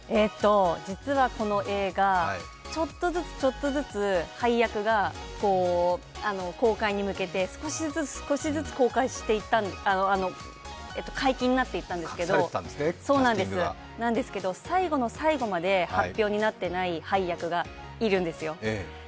実はこの映画、ちょっとずつちょっとずつ配役が公開に向けて少しずつ少しずつ解禁になっていったんですけど最後の最後まで発表になっていない配役がいるんですよ。